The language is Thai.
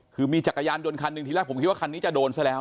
คือมีจักรยานยนต์คันหนึ่งทีแรกผมคิดว่าคันนี้จะโดนซะแล้ว